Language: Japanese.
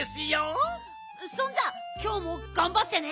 そんじゃきょうもがんばってね。